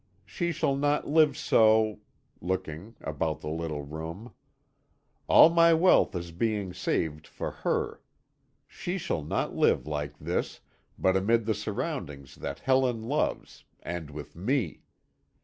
She shall not live so " looking, about the little room. "All my wealth is being saved for her. She shall not live like this, but amid the surroundings that Helen loves, and with me.